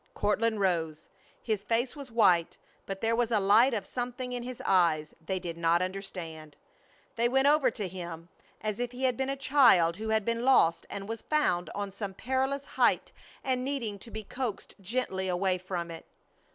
Courtland rose. His face was white, but there was a light of something in his eyes they did not understand. They went over to him as if he had been a child who had been lost and was found on some perilous height and needing to be coaxed gently away from it.